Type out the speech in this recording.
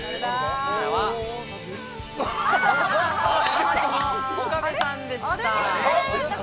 ハナコの岡部さんでした。